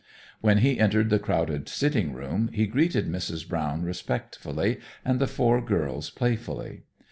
When he entered the crowded sitting room he greeted Mrs. Brown respectfully and the four girls playfully.